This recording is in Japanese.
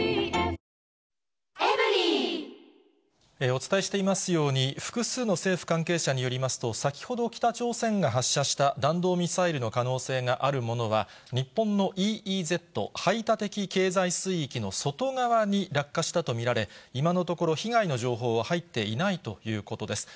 お伝えしていますように、複数の政府関係者によりますと、先ほど、北朝鮮が発射した弾道ミサイルの可能性があるものは、日本のＥＥＺ・排他的経済水域の外側に落下したと見られ、今のところ、被害の情報は入っていないということです。